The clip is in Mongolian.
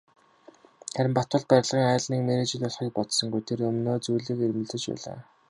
Харин Батболд барилгын аль нэг мэргэжил олохыг бодсонгүй, тэс өмнөө зүйлийг эрмэлзэж байлаа.